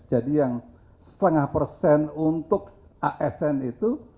jadi yang setengah persen untuk asn itu